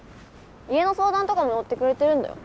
家の相談とか乗ってくれてるんだよ。